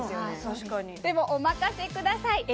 確かにでもお任せください